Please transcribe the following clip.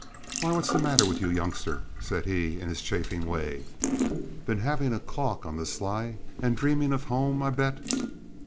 "Why, what's the matter with you, youngster?" said he in his chaffing way. "Been having a caulk on the sly and dreaming of home, I bet?"